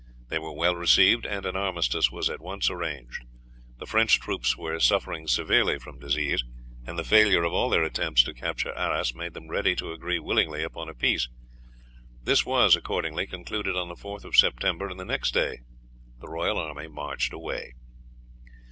They were well received, and an armistice was at once arranged. The French troops were suffering severely from disease, and the failure of all their attempts to capture Arras made them ready to agree willingly upon a peace. This was accordingly concluded on the 4th of September, and the next day the royal army marched away.